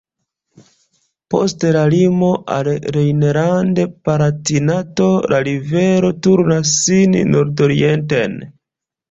Post la limo al Rejnland-Palatinato la rivero turnas sin nordorienten.